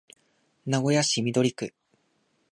名古屋市緑区